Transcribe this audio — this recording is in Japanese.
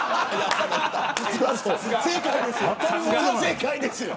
正解ですよ。